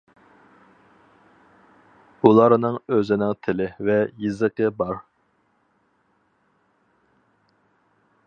ئۇلارنىڭ ئۆزىنىڭ تىلى ۋە يېزىقى بار.